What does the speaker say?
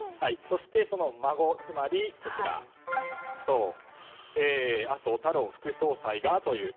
そして、その孫には麻生太郎副総裁が。